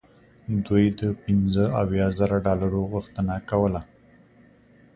دوی د پنځه اویا زره ډالرو غوښتنه کوله.